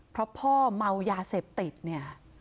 เพราะพ่อเมายาเสพติดเนี่ย